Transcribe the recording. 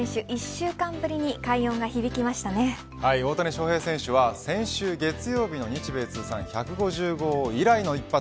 １週間ぶりに大谷翔平選手は先週月曜日の日米通算１５０号以来の１発。